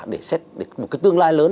để xét tương lai lớn